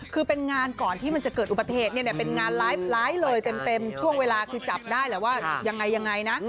คือเป็นงานก่อนที่มันจะเกิดอุบัติเหตุเนี่ยเป็นงานไลฟ์เลยเต็มช่วงเวลาคือจับได้แหละว่ายังไงยังไงนะ